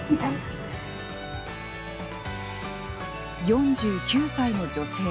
４９歳の女性。